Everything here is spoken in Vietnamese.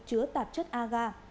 chứa tạp chất a ga